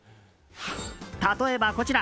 例えばこちら。